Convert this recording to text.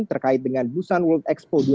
terkait dengan busan world expo dua ribu tiga puluh